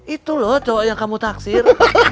itu loh yang kamu taksir